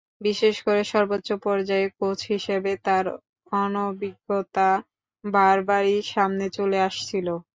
বিশেষ করে সর্বোচ্চ পর্যায়ে কোচ হিসেবে তাঁর অনভিজ্ঞতা বারবারই সামনে চলে আসছিল।